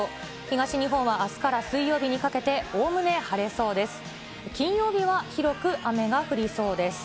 東日本はあすから水曜日にかけておおむね晴れそうです。